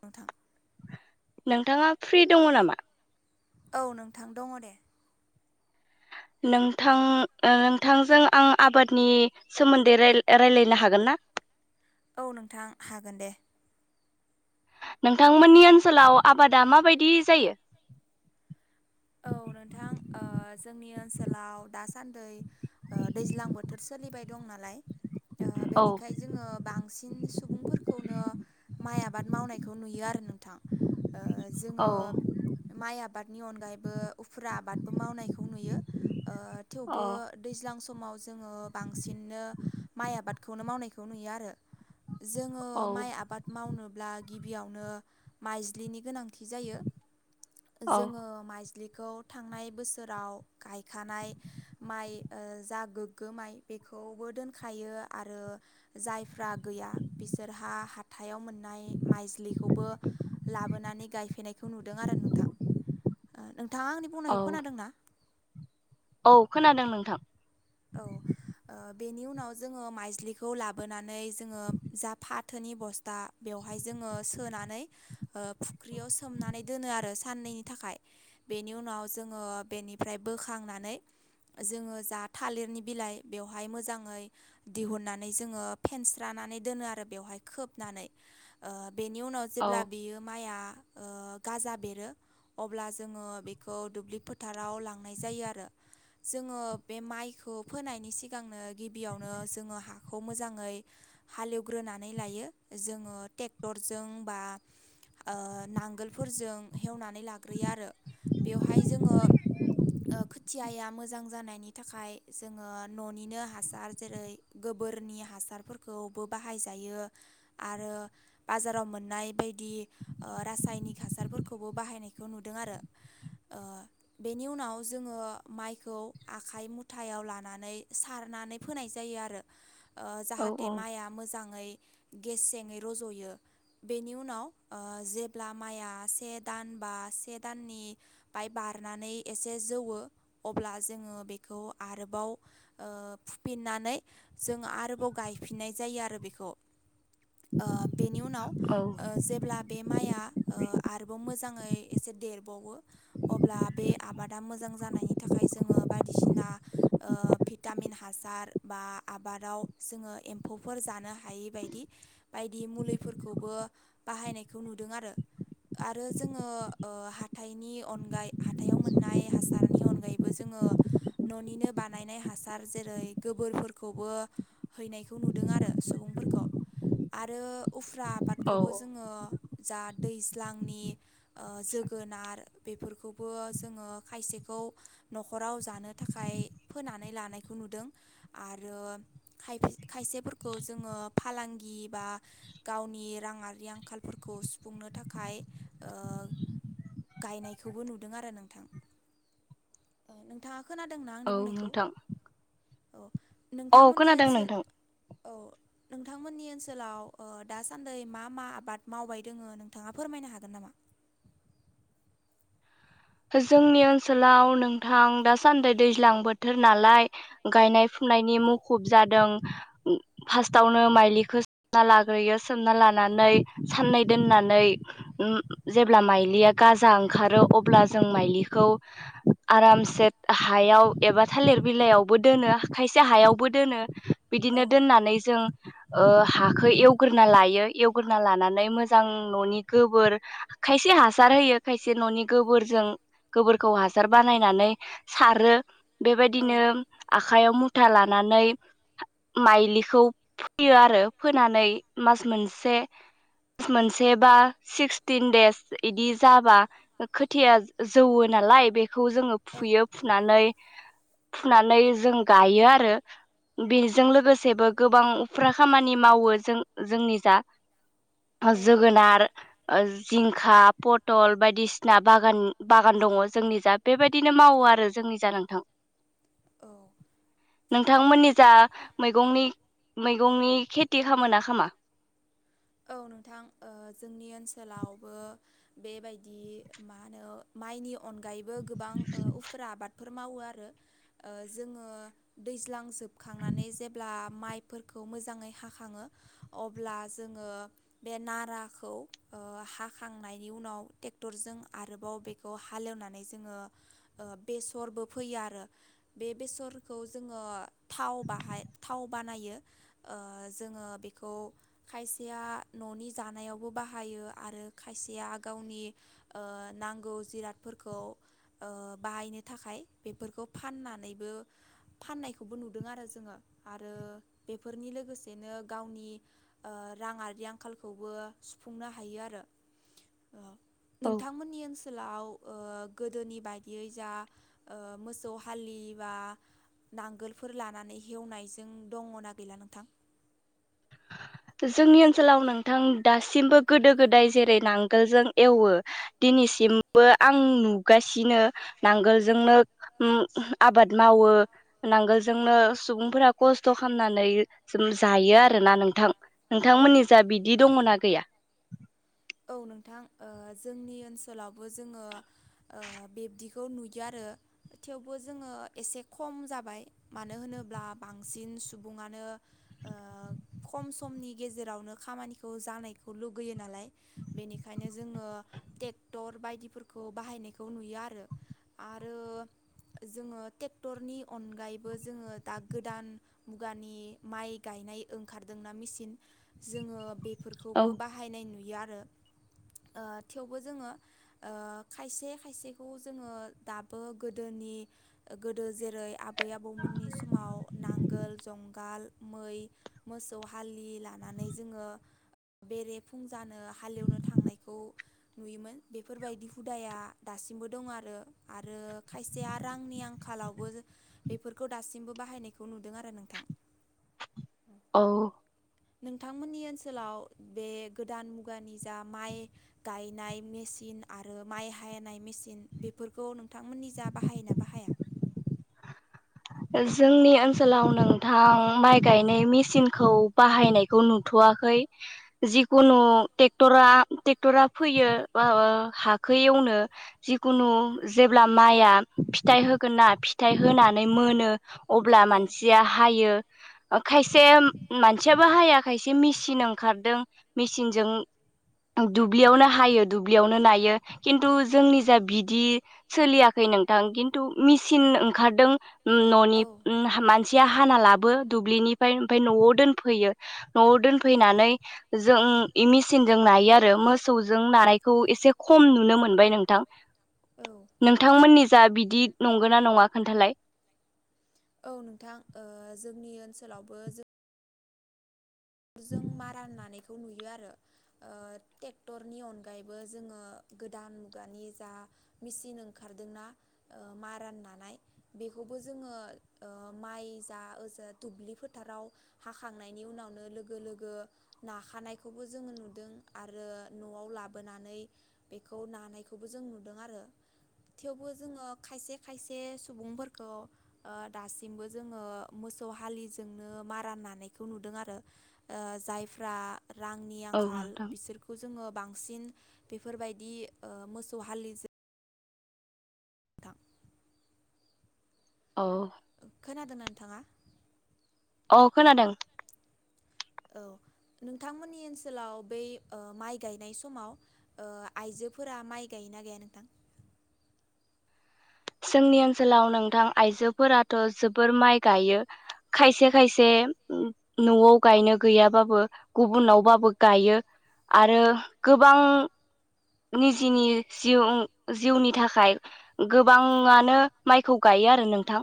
नोंथां? नोंथाङा फ्रि दङ नामा? औ नोंथां दङ दे। नोंथां-नोंथांजों आं आबादनि सोमोन्दै रायलायनो हागोन ना? [inaudible] औ नोंथां हागोन दे। नोंथांमोननि ओनसोलाव आबादा माबायदि जायो। औ नोंथां अ जोंनि ओनसोलाव दासान्दि दैज्लां ओ बोथो बोथोर सोलिबाय दं नालाय ओ औ बेनिखायनो जोङो बांसिन बांसिन सुबुंफोरखौनो माइ आबाद मावनायखौ नुयो आरो नोंथां। ओ जोङो औ माइ आबादनि अनगायै बो उखुरा आबादबो मावनायखौ नुयो ओ अ थेवबो दैज्लां स समाव जोङो बांसिननो माइ आबादखौनो मावनायखौ नुयो आरो जोङो औ माइ आबाद मावनो अब्ला गिबियावनो माइज्लिनि गोनांथि जायो औ जोङो माइ ज्लिखौ थांनाय बोसोराव गायखानाय माइ जा गोग्गो माइ बे खौबो दोनखायो आरो जायफ्रा गैया बिसोरहा हाथायाव मोननाय माइजलिखौबो लाबोनानै गायफैनायखौ नुदों आरो नोंथां। [inaudible] ओ नोंथाङा आंनि औ बुंनायखौ खोनादों ना? औ खोनादों नोंथां। औ ओ बेनि उनाव जोङो माइज्लिखौ लाबोनानै जोङो जा फाथोनि बस्था बेव हाय जोङो सोनानै ओ फुख्रियाव सोमनानै दोनो आरो सनैनि थाखाय बेनि उनाव जोङो बेनिफ्राय बोखांनानै जोङो थालिरनि बिलाइ बेवहाय मोजाङै दिहुननानै जोङो फेनस्रानानै दोनो आरो बेवहाय खोबनानै। ओ बेनि उनाव औ जेब्ला बियो माइआ ओ गाजा बेरो अब्ला जोंङो बेखौ दुब्लि फोथाराव लांनाय जायो आरो। जोंङो बे माइखौ फोनायनि सिगांनो गिबियावनो जोंङो हाखौ मोजांङै हालेवग्रोना नानै लायो जोंङो टेक्टरजों बा ओ नांगोलफोरजों हेवनानै लाग्रोयो आरो। बेवहाय जोंङो ओ खोथियाया मोजां जानायनि थाखाय जोंङो न'निनो हासार जेरै- गोबोरनि हासारफोरखौबो बाहायजायो। यो आरो बाजाराव मोननाय बायदि ओ रासायनिक हासारफोरखौबो बाहायनायखौ नुदों आरो। ओ बेनि उनाव जोंङो माइखौ आख आखाइ मुथायाव लानानै सारनानै फोनाय जायो आरो। ओ औ जाहाथे औ माइआ मोजांङै गेसेंङै रज'यो। बेनि उनाव ओ जेब्ला माइया से दान बा से दाननि बाय बा [unintelligible] एसे जौवो अब्ला जोङो बे खौ आरोबाव ओ फुफिन्नानै जों आरोबाव गायफिननाय जायो आरो बेखौ [inaudible] ओ बेनि उनाव औ ओ जेब्ला बे माइआ ओ आरोबाव मोजांङै एसे देरबावो अब्ला बे आबादा मोजां जानायनि थाखाय जोंङो बायदिसिना ओ भिटामिन हासार बा आबादाव जोंङो एम्फौफोर जा नो हायै बायदि बायदि मुलिफोरखौबो बाहायनायखौ नुदों आरो। आरो जोंङो ओ हाथाइनि अनगाय हाथायाव मोननाय हासारनि अनगायैबो जोंङो न'निनो बानायनाय हासार जेरै गोबोरफोरखौबो हैनायखौ नुदों आरो सुबुंफोरखौ। आरो उफ्रा औ आबादखौबो जोंङो जा दैज्लांनि ओ जोगोनार बेफोरखौबो जोंङो खायसेखौ खौ न'ख राव जानो थाखाय फोनानै लानायखौ नुदों। आरो खाय खायसेफोरखौ खौ जोंङो फालांगि बा गावनि रांङारि आंखालफोरखौ सुफुंनो थाखाय ओ गायनायखौबो नुदों आरो नोंथां। नोंथांङा खोनादोंना आंनि औ बुंनायखौ? नोंथां औ औ नोंथांमोननि खोनादों ओनसोल नोंथां औ नोंथांमोननि ओनसोलाव ओ दासान्दै मा मा आबाद मावबाय दोंङो नोंथांङा फोरमायनो हागोन नामा? [inaudible] ओ जोंनि ओनसोलाव नोंथां दासान्दि दैज्लां बोथोर नालाय गायनाय-फु नायनि मुखुब जादों। उम फासर्टावनो माइलिखौ सोमना लाग्रोयो, सोमना लाना नानै साननै दोननानै उम जेब्ला माइलिया गाजा ओंखारो अब्ला जों माइलिखौ आरामसे हायाव एबा थालिर बिलाइयावबो दोनो खाय से हायावबो दोनो औ बिदिनो दोननानै जों ओ हाखौ एवग्रोना लायो एवग्रोना लानानै मोजां न'नि गोबोर खायसे से हासार होयो खायसे न'नि गोबोर जों गोबोरखौ हासार बानायनानै सारो औ बेबायदिनो आखायाव मुथा लानानै माइलिखौ फोयो आरो फोनानै मास मोनसे से मोनसे बा सिक्सटिन देस इदि जाबा ओ खो थिया जौवो नालाय बेखौ जोंङो औ फुयो फुनानै फुनानै जों गायो आरो बेजों लोगोसेबो गोबां उफ्रा खामानि मावो जों जोंनि जा ओ औ जोगोनार ओ जिंखा पथल बायदिसिना बागान बागान दंङ जोंनि जा बेबायदिनो मावो आरो जोंनि जा नोंथां औ नोंथांमोननि जा मैगंनि मैगंनि खेथि खामो ना खामा! औ नोंथां ओ जोंनि ओनसोलावबो बेबायदि मा होनो माइनि अनगायैबो गोबां ओ उफुरा आबाद फोर मावो आरो जोङो दैज्लां जोबखांनानै जेब्ला माइफोरखौ खौ मोजाङै हाखङो अब्ला- जोङो बे नाराखौ ओ हाखांनायनि उनाव टेक्टरजों आरोबाव बेखौ हालेवनानै जोङो ओ बेसरबो फोयो आरो बे बेसरखौ- ओ थाव बाहाय थाव बानायो ओ जोङो बेखौ खायसेया न'नि जानायावबो बाहायो आरो खायसेया गावनि ओ नांगौ जिरादफोरखौ ओ बाहायनो थाखाय बेफोरखौ फाननानैबो फाननायखौबो नुदों आरो जोङो आरो बेफोरनि लोगोसेनो गावनि- ओ राङारि आंखालखौबो सुफुंनो हायो आरो- ओ औ नोंथांमोननि ओनसोलाव- ओ गोदोनि बायदियै जा ओ मोसौ हालि बा- नांगोलफोर लानानै हेवनायजों दङना‌ गैला नोंथां? [inaudible] जोंनि ओनसोलाव नोंथां दासिमबो गोदो गोदाय जेरै नांगोलजों एवो दिनैसिम बो आं नुगासिनो नांगोलजोंनो ओम आबाद मावो- नांगोलजोंनो सुबुंफोरा खस्थ' खालामनानै जायो आरो ना नोंथां औ नोंथांमोननि जा बिदि दङना गैया? औ नोंथां ओ जोंनि ओनसोलावबो जोङो ओ बिब्दिखौ नुयो आरो- थेवबो जोङो एसे खम जाबाय मानो होनोब्ला बांसिन सुबुङानो ओ खम समनि गेजेरावनो खामानिखौ जानायखौ लुगैयो नालाय- बेनिखायनो जोङो टेक्टर बायदिफोरखौ बाहायनायखौ नुयो आरो आरो- जोङो टेक्टरनि अनगायैबो जोङो दा गोदान मुगानि माइ गाय! नाय ओंखारदोंना मिसिन जोङो औ बेफोरखौबो बाहायनाय नुयो आरो [inaudible] ओ थेवबो जोङो ओ खायसे खायसेखौ जोङो दाबो गोदोनि गोदो जेरै आबै आबौमोननि समाव नांगोल जंगाल मै मोसौ हालि लानानै जोङो- बेरेफुं जानो- हालेवनो थांनायखौ नुयोमोन बेफोरबायदि हुदाया दासिमबो दं आरो आरो खायसेया रांनि आंखालावबो बेफोरखौ दासिमबो बाहायनायखौ नुदों आरो नोंथां! औ! नोंथांमोननि ओनसोलाव बे गोदान मुगानि जा माइ गायनाय मेसिन- आरो माइ हायनाय मेसिन बेफोरखौ नोंथांमोननि जा बाहायोना बाहाया जोंनि ओनसोलाव नोंथां माइ गायनाय मेसिनखौ बाहायनायखौ नुथवा- खै जिखुनु टेक्टरा टेक्टरा फैयो ओ हाखो ए- वनो जिखुनु जेब्ला माइआ फिथाइ होगोन ना फिथाइ होनानै मोनो अब्ला औ मानसिया हायो! खायसे मानसियाबो हाया खायसे मेसिन ओंखारदों मेसिनजों दुब्लियावनो हायो दुब्लियावनो नायो खिन्थु जोंनि जा बिदि सोलियाखै नोंथां किन्टु मेसिन ओंखारदों ननि औ ओम मान- सिया हाना लाबो दुब्लिनिफ्राय ओमफ्राय नआव दोनफैयो नआव दोनफैनानै जों मेसिनजों नायो आरो मोसौजों नानायखौ एसे खम नुनो मोनबाय नोंथां! औ नोंथांमोननि जा बिदि नंगौ ना नङा खोन्थालाय! औ नोंथां ओ जोंनि ओनसोलावबो जों जों मारान नानायखौ खौ नुयो आरो ओ ट्रेक्टरनि अनगायैबो जोङो गोदान मुगानि जा मेसिन ओंखारदोंना ओ मारा नानाय बेखौबो जोङो ओ माइ जा ओजा दुब्लि फोथाराव हाखांनायनि उनावनो लो गो लोगो नाखानायखौबो जोङो नुदों आरो नआव लाबोनानै बे खौ नानायखौबो जों नुदों आरो। थेवबो जोङो खायसे खायसे सुबुंफोरखौ ओ दासिमबो जोङो मोस सौ हालिजोंनो मारान नानायखौ नुदों आरो। ओ जायफ्रा रांनि औ आंखाल नोंथां बिसोरखौ जोङो बांसिन बेफोरबायदि ओ मोसौ हालिजों नोंथां औ। खोनादोंना नोंथाङा? अ खोनादों। औ। नोंथांमोननि ओनसोलाव बै ओ माइ गायनाय समाव ओ आइजोफोरा माइ गायन गायो ना गाया नोंथां? [inaudible] जोंनि ओनसोलाव नोंथां आइजोफोराथ' जोबोर माइ गायो। खायसे खायसे म-म न'आव गायनो गैयाबाबो गुबुनावबाबो गायो। आरो गोबां निजेनि जिउ-जिउनि थाखाय गोब बाङानो माइखौ गायो आरो नोंथां।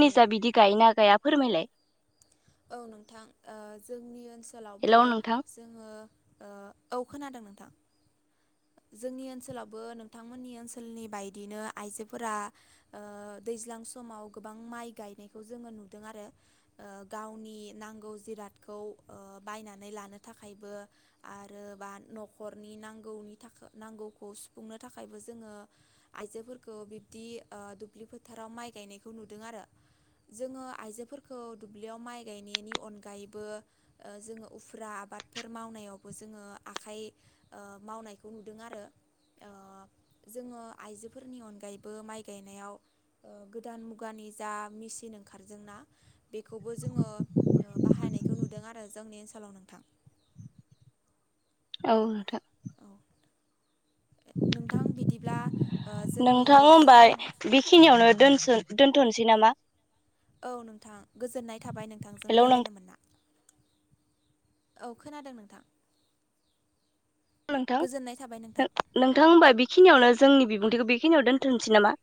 औ जा बिदि गायोना गा गाया फोरमायलाय। औ नोंथां ओ जोंनि ओन सोलावबो हेलौ नोंथां जोङो ओ औ खोनादों नोंथां। जोंनि ओनसोलावबो नोंथांमोननि ओनसोलनि बायदिनो आइजोफोरा ओ दैज्लां समाव गोबां माइ गायनायखौ जोङो नुदों आरो। ओ गावनि नांगौ जिराद खौ बायनानै लानो थाखायबो आरो बा न'खरनि नांगौनि थाख-नांगौखौ सुफुंनो थाखायबो जोङो आइजोफोरखौ बिब्दि ओ दुब्लि फोथाराव फ्राव माइ गायनायखौ नुदों आरो। जोङो आइजोफोरखौ दुब्लियाव माइ गायनायनि अनगायैबो ओ जोङो उफ्रा आबादफोर मावनायावबो जोङो आखाइ ओ मावनायखौ नुदों आरो। ओ जोङो आइजोफोरनि अनगायैबो माइ गायनायाव ओ गोदान मुगानि जा मेसिन ओंखारदोंना बेखौबो जोङो बाहाय नायखौ नुदों आरो जोंनि ओनसोलाव नोंथां। [inaudible] औ नोंथां। [inaudible] नोंथां बिदिब्ला ओ जोंनि नोंथां होमबा सावरायनाय बेखिनियावनो दोनस-दोनथ'नोसै नामा? औ नोंथां गोजोननाय थाबाय नोंथांजों हेलौ रायलायनो नोंथां मोनना। [inaudible] औ खोनादों नोंथां। [inaudible] नोंथां गोजोननाय थाबाय नोंथां नों-नोंथां होनबा बेखिनियावनो जोंनि बि बिबुंथिखौ बेखिनियाव दोन्थ'नसै नामा?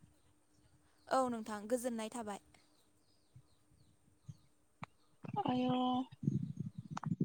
औ नोंथां गोजोननाय थाबाय। [inaudible] आयौ